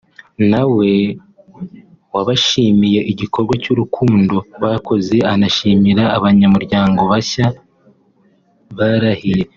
na we wabashimiye igikorwa cy’urukundo bakoze anashimira abanyamuryango bashya barahiye